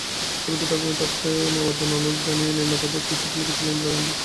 ছবিটিতে অমিতাভকে নেওয়ার অনুরোধ জানিয়ে নির্মাতাদের একটি চিঠি লিখেছিলেন ইন্দিরা গান্ধী।